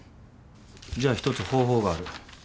じゃあ一つ方法がある。